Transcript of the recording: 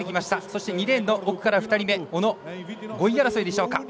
そして２レーンの奥から２人目小野５位争いでしょうか。